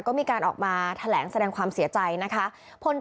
ก็มีการออกมาแถลงแสดงความเสียใจพนตรีกฤทธ์